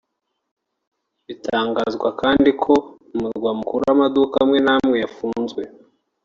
Bitangazwa kandi ko mu murwa mukuru amaduka amwe n’amwe yafunzwe